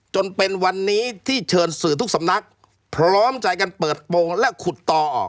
จนเป็นวันนี้ที่เชิญสื่อทุกสำนักพร้อมใจกันเปิดโปรงและขุดต่อออก